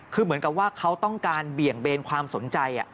คือเหมือนกับว่าเขาต้องการเบี่ยงเบนความสนใจ